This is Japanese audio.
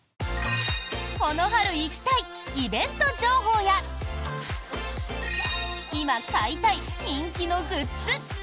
この春行きたいイベント情報や今買いたい人気のグッズ。